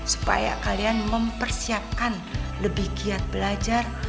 supaya kalian mempersiapkan lebih giat belajar